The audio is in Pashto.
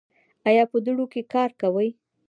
ایا په دوړو کې کار کوئ؟